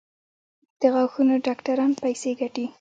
د غاښونو ډاکټران پیسې ګټي؟